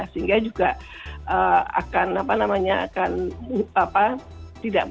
sehingga juga tidak sesuai